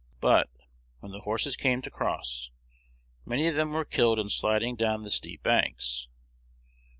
But, when the horses came to cross, many of them were killed in sliding down the steep banks.